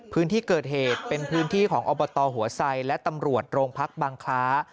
พื้นที่เกิดเหตุเป็นพื้นที่ของอบตหัวไซและตำรวจโรงพักบางคล้า